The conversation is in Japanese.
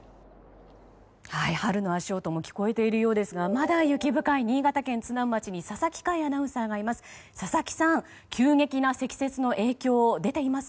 春の足音も聞こえているようですがまだ雪深い、新潟県津南町に佐々木快アナウンサーがいます。